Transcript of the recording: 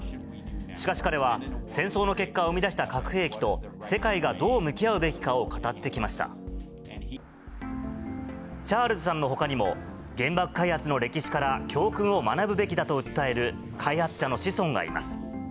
しかし、彼は戦争の結果生み出した核兵器と、世界がどう向き合うべきかをチャールズさんのほかにも、原爆開発の歴史から教訓を学ぶべきだと訴える開発者の子孫がいます。